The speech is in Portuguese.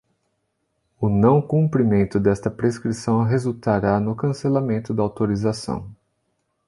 O não cumprimento desta prescrição resultará no cancelamento da autorização.